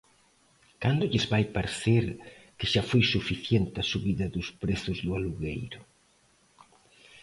¿Cando lles vai parecer que xa foi suficiente a subida dos prezos do alugueiro?